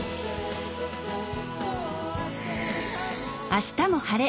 「あしたも晴れ！